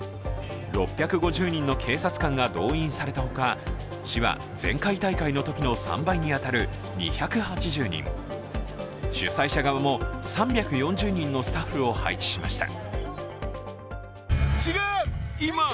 ６５０人の警察官が動員されたほか、市は前回大会のときの３倍に当たる２８０人、主催者側も３４０人のスタッフを配置しました。